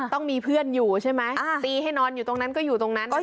ต้องมีเพื่อนอยู่ใช่ไหมตีให้นอนอยู่ตรงนั้นก็อยู่ตรงนั้น